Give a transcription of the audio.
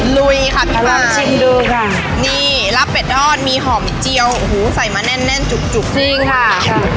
ลุยค่ะพี่ปานนี่ราบเป็ดทอดมีหอมมิดเจียวใส่มาแน่นจุบจริงค่ะ